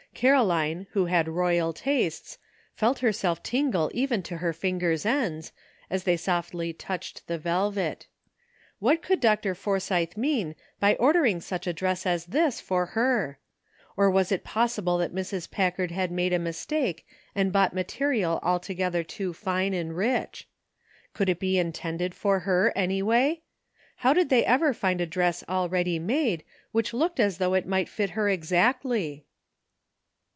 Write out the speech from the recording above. Caroline, who had royal tastes, felt her self tingle even to her fingers' ends, as they softly touched the velvet. What could Dr. Forsythe mean by ordering such a dress as this BORROWED TROUBLE. 227 for her ! Or was it possible that Mrs. Packard iiad made a mistake and bought material alto gether too fine and rich? Could it be intended for her, any way? How did they ever find a dress already made, which looked as though it might fit her exactly?